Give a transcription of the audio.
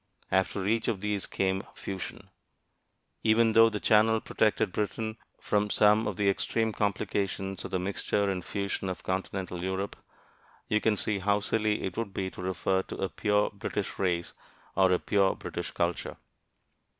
After each of these came fusion. Even though the Channel protected Britain from some of the extreme complications of the mixture and fusion of continental Europe, you can see how silly it would be to refer to a "pure" British race or a "pure" British culture.